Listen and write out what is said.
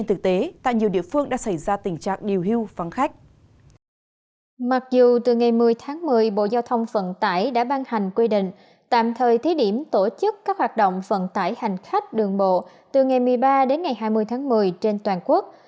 từ ngày một mươi tháng một mươi bộ giao thông vận tải đã ban hành quy định tạm thời thí điểm tổ chức các hoạt động vận tải hành khách đường bộ từ ngày một mươi ba đến ngày hai mươi tháng một mươi trên toàn quốc